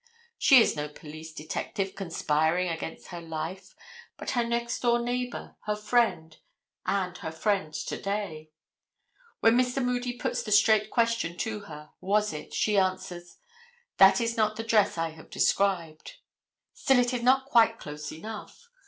She is no police detective conspiring against her life, but her next door neighbor, her friend, and her friend to day. When Mr. Moody puts the straight question to her: "Was it?" she answers: "That is not the dress I have described." Still it is not quite close enough.